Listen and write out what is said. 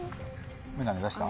眼鏡出した？